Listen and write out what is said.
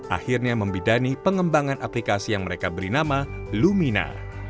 akhirnya membidani pengembangan aplikasi yang mereka beri nama lumina